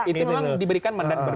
itu memang diberikan mandat